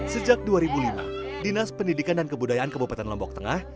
sejak dua ribu lima dinas pendidikan dan kebudayaan kabupaten lombok tengah